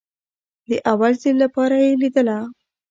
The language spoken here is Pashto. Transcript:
د اول ځل لپاره يې ليدله.